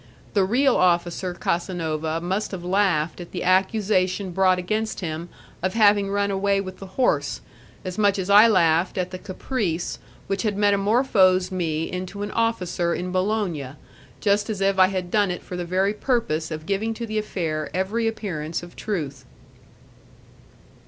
The real officer Casanova must have laughed at the accusation brought against him of having run away with the horse, as much as I laughed at the caprice which had metamorphosed me into an officer in Bologna, just as if I had done it for the very purpose of giving to the affair every appearance of truth.